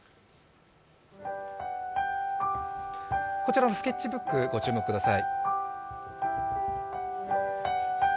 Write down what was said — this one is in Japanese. こちらのスケッチブックご注目ください。